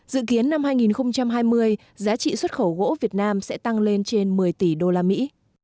dự kiến năm hai nghìn hai mươi giá trị xuất khẩu gỗ việt nam sẽ tăng lên trên một mươi tỷ đô la mỹ